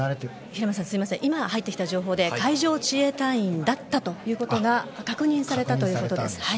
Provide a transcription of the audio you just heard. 平松さん、今入ってきた情報で海上自衛隊員だったということが確認されたということです。